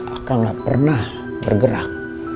akan gak pernah bergerak